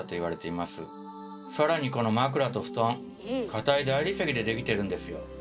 さらにこの枕と布団硬い大理石でできてるんですよ。